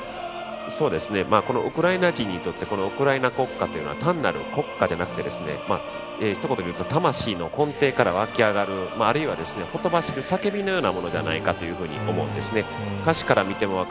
ウクライナ人にとってこのウクライナ国歌は単なる国歌じゃなくて一言で言うと魂の根底から湧き上がるあるいは、ほとばしる叫びのようなものではないかと思うんです。